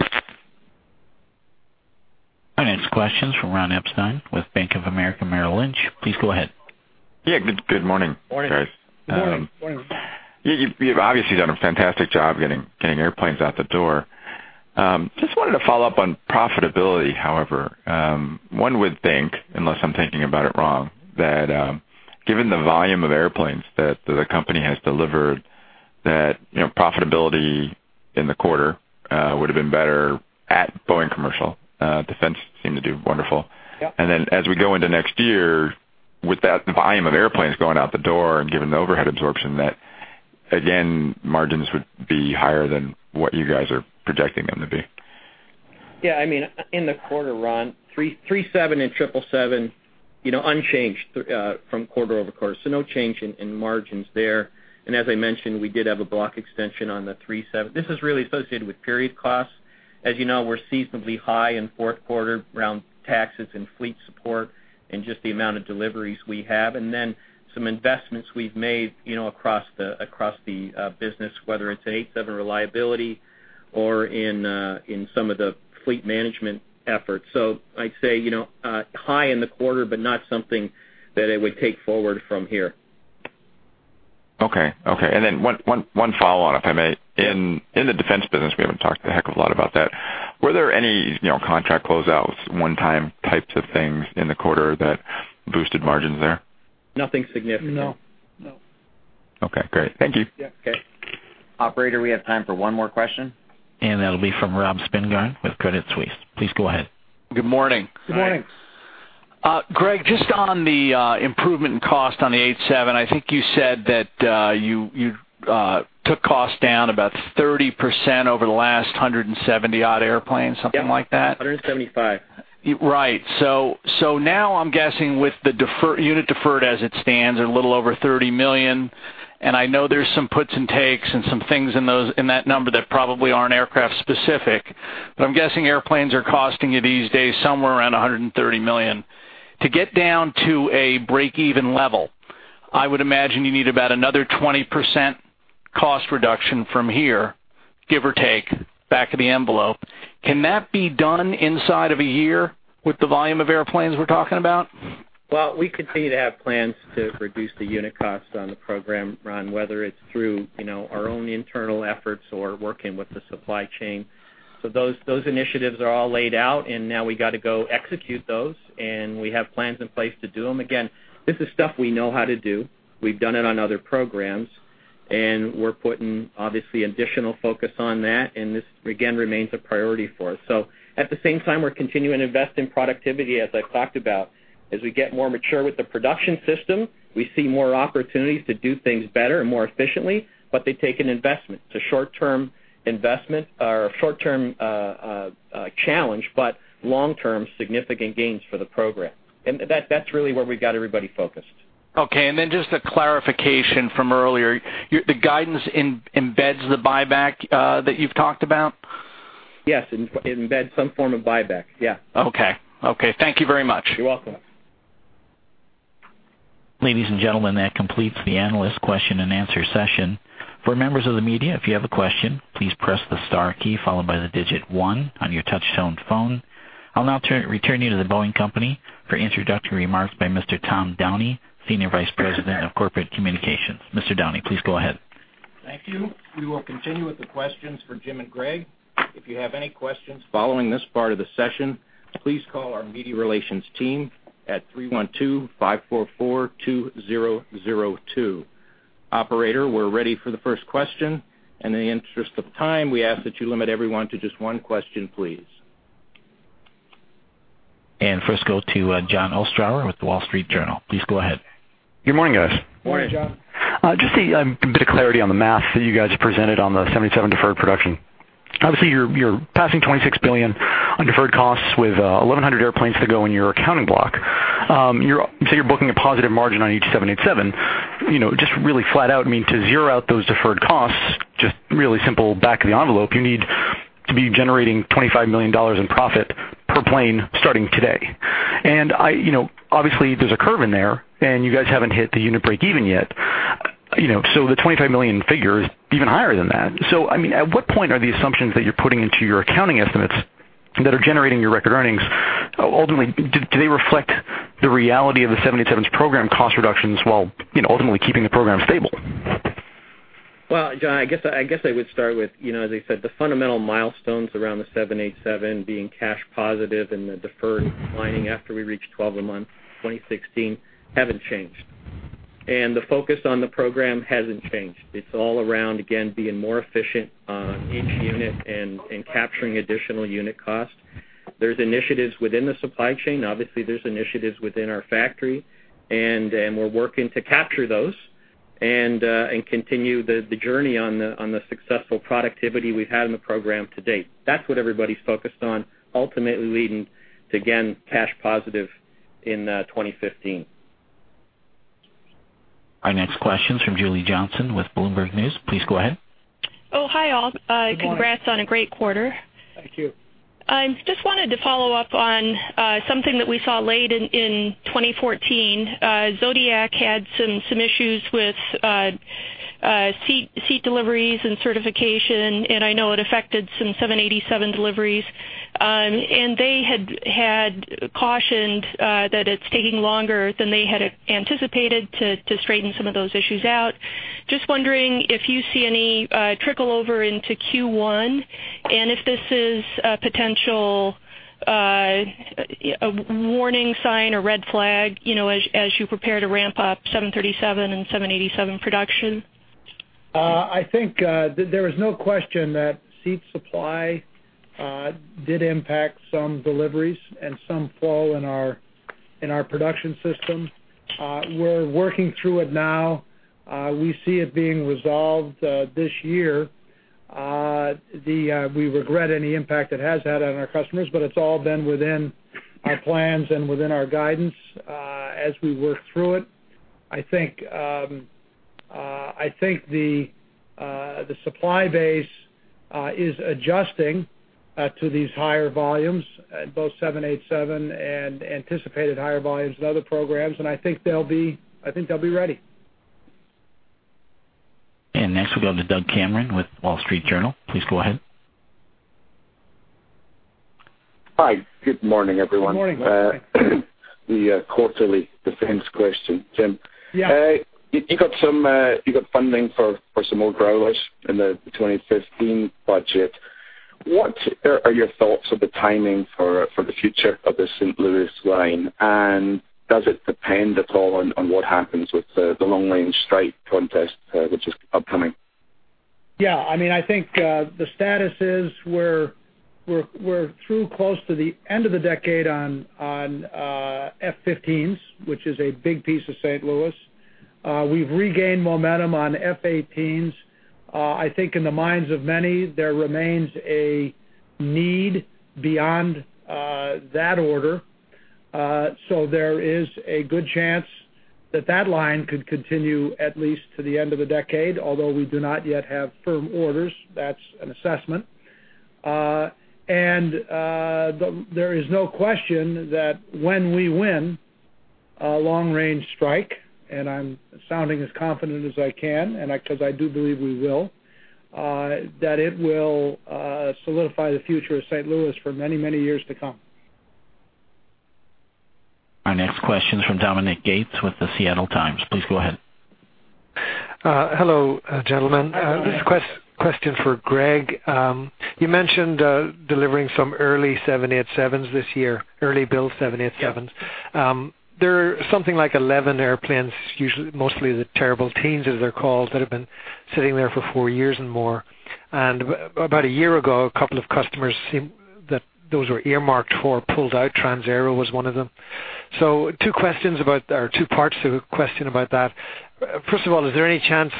Analyst questions from Ronald Epstein with Bank of America Merrill Lynch. Please go ahead. Yeah. Good morning, guys. Morning. You've obviously done a fantastic job getting airplanes out the door. Just wanted to follow up on profitability, however. One would think, unless I'm thinking about it wrong, that given the volume of airplanes that the company has delivered, that profitability in the quarter would have been better at Boeing Commercial. Defense seemed to do wonderful. Yeah. As we go into next year, with that volume of airplanes going out the door and given the overhead absorption, that, again, margins would be higher than what you guys are projecting them to be. Yeah. In the quarter, Ron, 737 and 777 unchanged from quarter-over-quarter, no change in margins there. As I mentioned, we did have a block extension on the 737. This is really associated with period costs. As you know, we're seasonably high in Fourth Quarter around taxes and fleet support and just the amount of deliveries we have. Then some investments we've made across the business, whether it's in 787 reliability or in some of the fleet management efforts. I'd say, high in the quarter, but not something that it would take forward from here. Okay. One follow-on, if I may. In the defense business, we haven't talked a heck of a lot about that. Were there any contract closeouts, one-time types of things in the quarter that boosted margins there? Nothing significant. No. Okay, great. Thank you. Yeah. Okay. Operator, we have time for one more question, and that'll be from Robert Spingarn with Credit Suisse. Please go ahead. Good morning. Good morning. Greg, just on the improvement in cost on the 87, I think you said that you took cost down about 30% over the last 170-odd airplanes, something like that. Yep, 175. Right. Now I'm guessing with the unit deferred as it stands, a little over $30 million, and I know there's some puts and takes and some things in that number that probably aren't aircraft specific, but I'm guessing airplanes are costing you these days somewhere around $130 million. To get down to a break-even level, I would imagine you need about another 20% cost reduction from here, give or take, back of the envelope. Can that be done inside of a year with the volume of airplanes we're talking about? Well, we continue to have plans to reduce the unit cost on the program, Ron, whether it's through our own internal efforts or working with the supply chain. Those initiatives are all laid out, and now we got to go execute those, and we have plans in place to do them. Again, this is stuff we know how to do. We've done it on other programs, and we're putting, obviously, additional focus on that, and this, again, remains a priority for us. At the same time, we're continuing to invest in productivity, as I've talked about. As we get more mature with the production system, we see more opportunities to do things better and more efficiently, but they take an investment. It's a short-term investment or a short-term challenge, but long-term, significant gains for the program. That's really where we've got everybody focused. Okay. Then just a clarification from earlier. The guidance embeds the buyback that you've talked about? Yes. Embed some form of buyback. Yeah. Okay. Thank you very much. You're welcome. Ladies and gentlemen, that completes the analyst question and answer session. For members of the media, if you have a question, please press the star key followed by the digit one on your touchtone phone. I will now return you to The Boeing Company for introductory remarks by Mr. Thomas Downey, Senior Vice President of Corporate Communications. Mr. Downey, please go ahead. Thank you. We will continue with the questions for Jim and Greg. If you have any questions following this part of the session, please call our media relations team at 312-544-2002. Operator, we are ready for the first question. In the interest of time, we ask that you limit everyone to just one question, please. First go to Jon Ostrower with The Wall Street Journal. Please go ahead. Good morning, guys. Morning, Jon. Just a bit of clarity on the math that you guys presented on the 787 deferred production. Obviously, you're passing $26 billion on deferred costs with 1,100 airplanes to go in your accounting block. You're booking a positive margin on each 787. Just really flat out, I mean, to zero out those deferred costs, just really simple back of the envelope, you need to be generating $25 million in profit per plane starting today. Obviously, there's a curve in there, and you guys haven't hit the unit break even yet. The $25 million figure is even higher than that. I mean, at what point are the assumptions that you're putting into your accounting estimates that are generating your record earnings, ultimately, do they reflect the reality of the 787's program cost reductions while ultimately keeping the program stable? Well, Jon, I guess I would start with, as I said, the fundamental milestones around the 787 being cash positive and the deferred declining after we reach 12 a month, 2016, haven't changed. The focus on the program hasn't changed. It's all around, again, being more efficient on each unit and capturing additional unit cost. There's initiatives within the supply chain. Obviously, there's initiatives within our factory, and we're working to capture those and continue the journey on the successful productivity we've had in the program to date. That's what everybody's focused on, ultimately leading to, again, cash positive in 2015. Our next question is from Julie Johnsson with Bloomberg News. Please go ahead. Oh, hi, all. Good morning. Congrats on a great quarter. Thank you. Just wanted to follow up on something that we saw late in 2014. Zodiac had some issues with seat deliveries and certification. I know it affected some 787 deliveries. They had cautioned that it's taking longer than they had anticipated to straighten some of those issues out. Just wondering if you see any trickle over into Q1, if this is a potential warning sign or red flag, as you prepare to ramp up 737 and 787 production. I think there is no question that seat supply did impact some deliveries and some flow in our production system. We're working through it now. We see it being resolved this year. We regret any impact it has had on our customers, but it's all been within our plans and within our guidance as we work through it. I think the supply base is adjusting to these higher volumes, both 787 and anticipated higher volumes in other programs, and I think they'll be ready. Next, we'll go to Doug Cameron with Wall Street Journal. Please go ahead. Hi. Good morning, everyone. Good morning. The quarterly defense question, Jim. Yeah. You got funding for some more Growlers in the 2015 budget. What are your thoughts of the timing for the future of the St. Louis line, and does it depend at all on what happens with the Long Range Strike contest, which is upcoming? Yeah, I think, the status is, we're through close to the end of the decade on F-15s, which is a big piece of St. Louis. We've regained momentum on F-18s. I think in the minds of many, there remains a need beyond that order. There is a good chance that that line could continue at least to the end of the decade, although we do not yet have firm orders. That's an assessment. There is no question that when we win a Long Range Strike, and I'm sounding as confident as I can, because I do believe we will, that it will solidify the future of St. Louis for many, many years to come. Our next question is from Dominic Gates with The Seattle Times. Please go ahead. Hello, gentlemen. Hello. This is a question for Greg. You mentioned, delivering some early 787s this year, early build 787s. Yes. There are something like 11 airplanes, mostly the Terrible Teens, as they're called, that have been sitting there for four years and more. About a year ago, a couple of customers seemed that those were earmarked for, pulled out. Transaero was one of them. Two parts to the question about that. First of all, is there any chance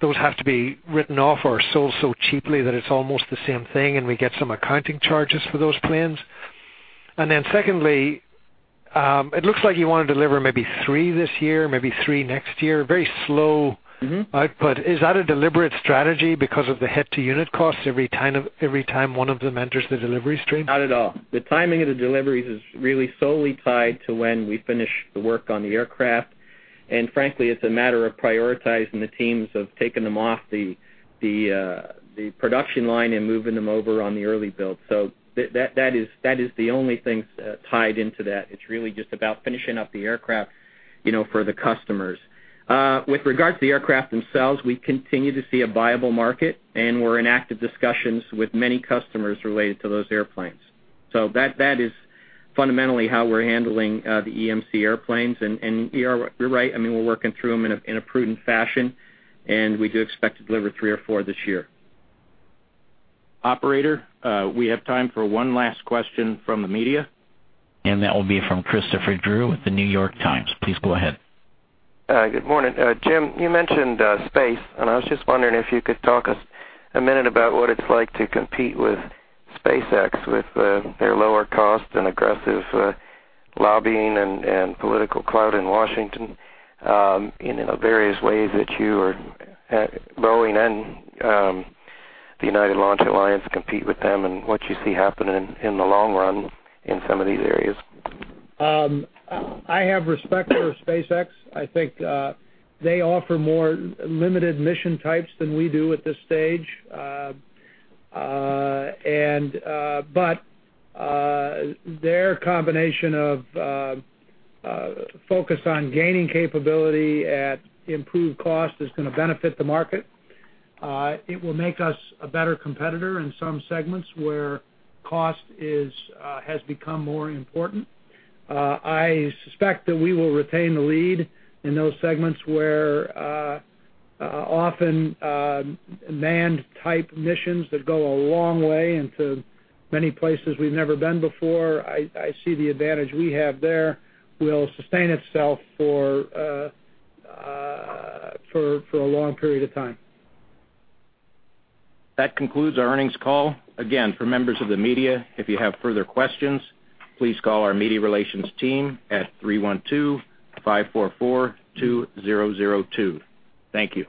those have to be written off or sold so cheaply that it's almost the same thing and we get some accounting charges for those planes? Secondly, it looks like you want to deliver maybe three this year, maybe three next year. Very slow output. Is that a deliberate strategy because of the hit to unit costs every time one of them enters the delivery stream? Not at all. The timing of the deliveries is really solely tied to when we finish the work on the aircraft. Frankly, it's a matter of prioritizing the teams, of taking them off the production line and moving them over on the early build. That is the only thing tied into that. It's really just about finishing up the aircraft for the customers. With regard to the aircraft themselves, we continue to see a viable market, and we're in active discussions with many customers related to those airplanes. That is fundamentally how we're handling the early build airplanes, and you're right. We're working through them in a prudent fashion, and we do expect to deliver three or four this year. Operator, we have time for one last question from the media. That will be from Christopher Drew with "The New York Times." Please go ahead. Good morning. Jim, you mentioned space, and I was just wondering if you could talk us a minute about what it's like to compete with SpaceX, with their lower cost and aggressive lobbying and political clout in Washington, in the various ways that you or Boeing and the United Launch Alliance compete with them, and what you see happening in the long run in some of these areas. I have respect for SpaceX. I think, they offer more limited mission types than we do at this stage. Their combination of focus on gaining capability at improved cost is going to benefit the market. It will make us a better competitor in some segments where cost has become more important. I suspect that we will retain the lead in those segments where, often, manned type missions that go a long way into many places we've never been before, I see the advantage we have there will sustain itself for a long period of time. That concludes our earnings call. Again, for members of the media, if you have further questions, please call our media relations team at 312-544-2002. Thank you.